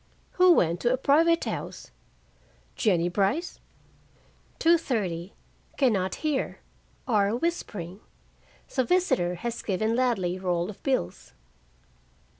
Who went to a private house? Jennie Brice? 2:30 Can not hear. Are whispering. The visitor has given Ladley roll of bills.